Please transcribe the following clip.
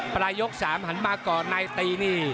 ปลายยก๓หันมาก่อนในตีนี่